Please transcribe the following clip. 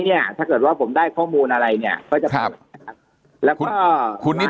เนี่ยถ้าเกิดว่าผมได้ข้อมูลอะไรเนี่ยก็จะเปิดนะครับแล้วก็คุณนิด